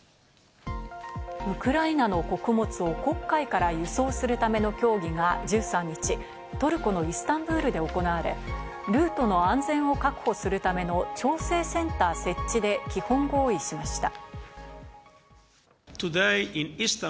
ウクライナの穀物を黒海から輸送するための協議が１３日、トルコのイスタンブールで行われ、ルートの安全を確保するための調整センター設置で基本合意しました。